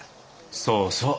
そうそう。